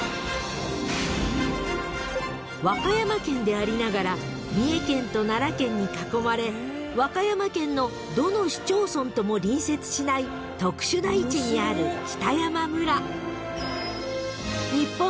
［和歌山県でありながら三重県と奈良県に囲まれ和歌山県のどの市町村とも隣接しない特殊な位置にある北山村］